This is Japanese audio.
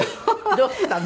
どうしたの？